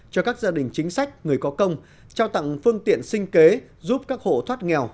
cho các gia đình chính sách người có công trao tặng phương tiện sinh kế giúp các hộ thoát nghèo